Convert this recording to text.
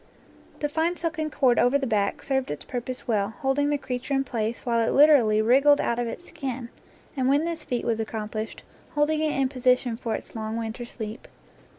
The fine silken cord over the back served its pur pose well, holding the creature in place while it lit erally wriggled out of its skin, and when this feat was accomplished, holding it hi position for its long winter sleep.